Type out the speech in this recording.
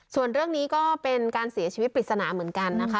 ส่วนเรื่องนี้ก็เป็นการเสียชีวิตปริศนาเหมือนกันนะคะ